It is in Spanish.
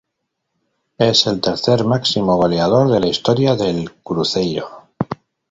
Es el tercer máximo goleador de la historia del Cruzeiro.